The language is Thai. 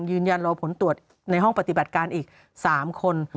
ยืนยันรอผลตรวจในห้องปฏิบัติการอีก๓คน